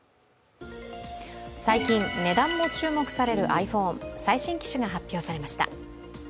最近値段も注目されるｉＰｈｏｎｅ、最新機種が発表されました。